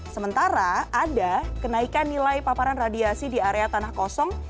sementara ada kenaikan nilai paparan radiasi di area tanah kosong